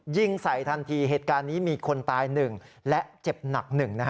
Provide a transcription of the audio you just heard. ยิงใส่ทันทีเหตุการณ์นี้มีคนตาย๑และเจ็บหนัก๑